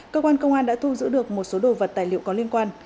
cơ quan công an đã thu giữ được một số đồ vật tài liệu có liên quan